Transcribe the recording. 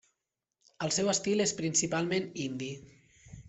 El seu estil és principalment indie.